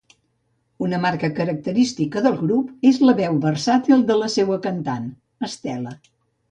Una marca característica del grup és la veu versàtil de la seua cantant, Estela.